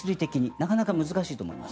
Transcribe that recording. なかなか難しいと思います。